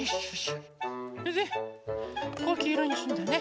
それでここをきいろにするんだね。